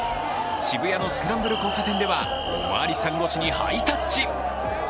渋谷のスクランブル交差点では、おまわりさん越しにハイタッチ。